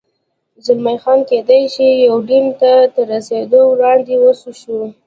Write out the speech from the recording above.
زلمی خان: کېدای شي یوډین ته تر رسېدو وړاندې، وڅښو.